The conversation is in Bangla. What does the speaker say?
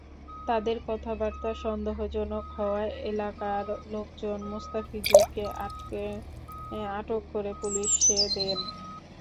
তাঁদের কথাবার্তা সন্দেহজনক হওয়ায় এলাকার লোকজন মোস্তাফিজুরকে আটক করে পুলিশে দেন।